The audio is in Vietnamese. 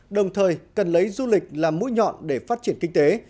đồng thời cần lấy du lịch làm mũi nhọn để phát triển kinh tế